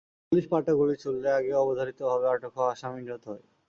Police পাল্টা গুলি ছুড়লে আগে অবধারিতভাবে আটক হওয়া আসামি নিহত হয়।